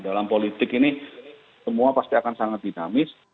dalam politik ini semua pasti akan sangat dinamis